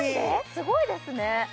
すごいですね